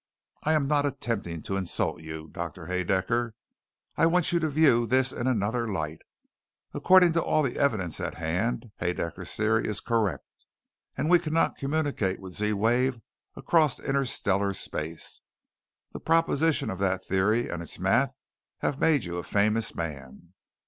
"I am not attempting to insult you, Doctor Haedaecker. I want you to view this in another light. According to all of the evidence at hand, Haedaecker's Theory is correct and we cannot communicate with the Z wave across interstellar space. The proposition of that theory and its math have made you a famous man.